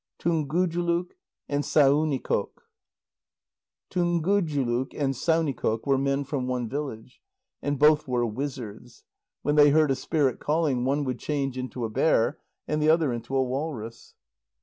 TUNGUJULUK AND SAUNIKOQ Tungujuluk and Saunikoq were men from one village. And both were wizards. When they heard a spirit calling, one would change into a bear, and the other into a walrus.